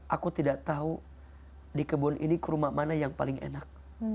aku tidak tahu di kebun ini kurma mana yang paling enak